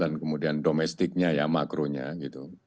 dan kemudian domestiknya ya makronya gitu